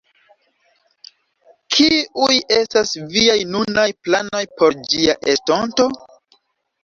Kiuj estas viaj nunaj planoj por ĝia estonto?